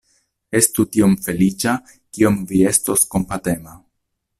Estu tiom feliĉa, kiom vi estos kompatema!